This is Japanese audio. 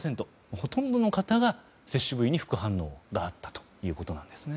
ほとんどの方が接種部位に副反応があったということなんですね。